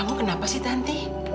kamu kenapa sih tanti